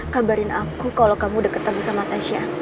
kabarin aku kalau kamu udah ketemu sama tasya